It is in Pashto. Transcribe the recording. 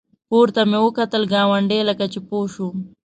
پورته مې وکتلې ګاونډی لکه چې پوه شو.